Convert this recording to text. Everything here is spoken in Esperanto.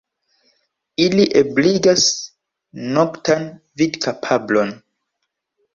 Ili ebligas noktan vidkapablon.